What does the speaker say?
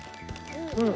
うん。